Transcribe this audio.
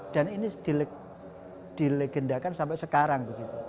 dan ini dilegendakan sampai sekarang